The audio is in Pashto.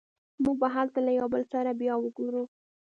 موږ به هلته له یو بل سره بیا وګورو